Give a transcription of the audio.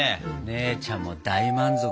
姉ちゃんも大満足。